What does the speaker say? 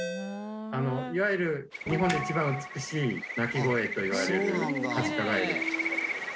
いわゆる日本で一番美しい鳴き声といわれるカジカガエル。